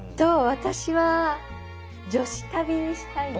私は女子旅にしたいな。